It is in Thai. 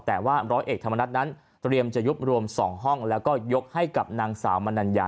แต่ว่าร้อยเอกธรรมนัฐนั้นเตรียมจะยุบรวม๒ห้องแล้วก็ยกให้กับนางสาวมนัญญา